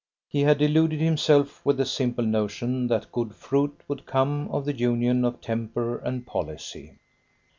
He had deluded himself with the simple notion that good fruit would come of the union of temper and policy.